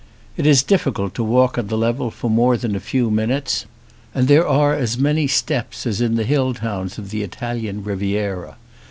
It is difficult to walk on the level for more than a few minutes, ON A CHINESE SCREEN and there are as many steps as in the hill towns of the Italian Riviera.